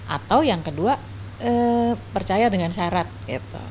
atau yang kedua percaya dengan syarat gitu